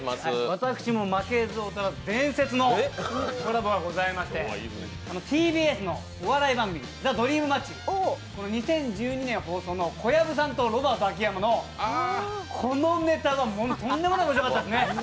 私も負けず劣らず伝説のコラボがございましてＴＢＳのお笑い番組「ザ・ドリームマッチ」、２０１２年放送の小籔さんとロバート秋山のこのネタがとんでもなくおもしろかったんですね。